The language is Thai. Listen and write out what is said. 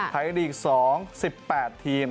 ไทยลีก๒๑๘ทีม